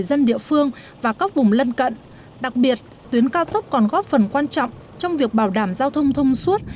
góc vùng lân cận đặc biệt tuyến cao tốc còn góp phần quan trọng trong việc bảo đảm giao thông thông suốt